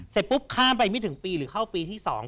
เสร็จปุ๊บข้ามไปไม่ถึงปีหรือเข้าปีที่๒